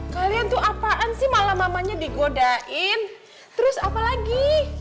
kalian tuh apaan sih malah mamanya digodain terus apa lagi